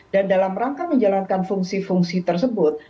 dan dalam rangka menjalankan fungsi fungsi tersebut